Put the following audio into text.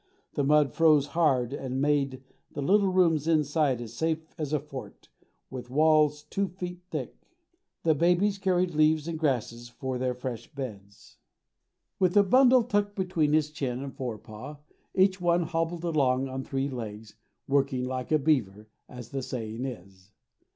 The mud froze hard and made the little rooms inside as safe as a fort, with walls two feet thick. The babies carried leaves and grasses for their fresh beds. With a bundle tucked between his chin and fore paw, each one hobbled along on three legs, "working like a beaver," as the saying is.